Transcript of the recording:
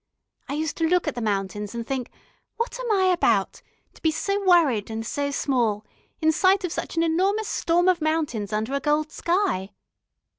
I used to look at the mountains and think: 'What am I about, to be so worried and so small, in sight of such an enormous storm of mountains under a gold sky?'